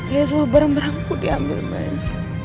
ya semua barang barangku diambil baik